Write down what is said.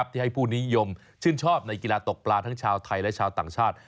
ที่ให้ผู้นิยมชื่นชอบในกีฬาตกปลาทั้งชาวไทยและชาวต่างชาติ